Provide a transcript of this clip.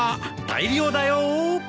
大漁だよ。